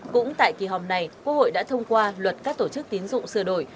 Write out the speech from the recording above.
cũng tại kỳ hòm này quốc hội đã thông qua luật các tổ chức tiến dụng sửa đổi